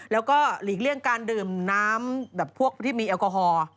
แล้วก็หลีกเลี่ยงการดื่มน้ำแบบพวกที่มีแอลกอฮอล์